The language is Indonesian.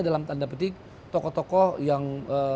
dalam tanda petik tokoh tokoh yang